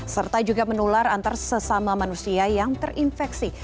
serta juga menular antar sesama manusia yang terinfeksi